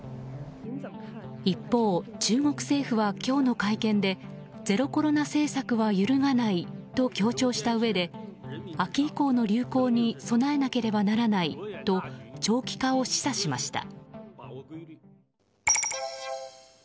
一方、中国政府は今日の会見でゼロコロナ政策は揺るがないと強調したうえで秋以降の流行に備えなければならないと長期化を示唆しました。